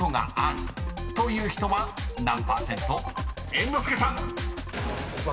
［猿之助さん］